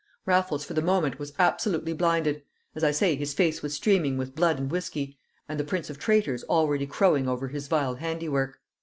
Raffles, for the moment, was absolutely blinded; as I say, his face was streaming with blood and whiskey, and the prince of traitors already crowing over his vile handiwork.